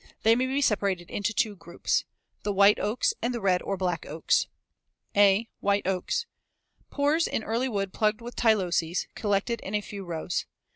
They may be separated into two groups. The white oaks and the red or black oaks. (a) White oaks. Pores in early wood plugged with tyloses, collected in a few rows.